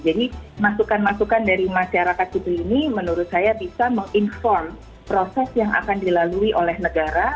jadi masukan masukan dari masyarakat sipil ini menurut saya bisa menginform proses yang akan dilalui oleh negara